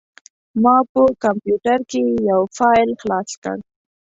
ما په کمپوټر کې یو فایل خلاص کړ.